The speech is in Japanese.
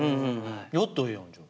やったらええやんじゃあ。